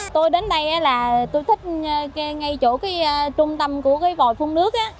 tôi đến đây là tôi thích ngay chỗ cái trung tâm của cái vòi phun nước